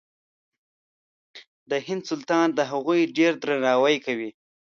د هند سلطان د هغوی ډېر درناوی کوي.